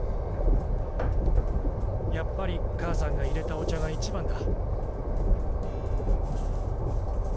やっぱり母さんが入れたお茶がいちばんだ。